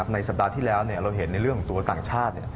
ในสัปดาห์ที่แล้วเราเห็นในเรื่องของตัวต่างชาติ